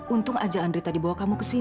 untung aja andri tadi bawa kamu ke sini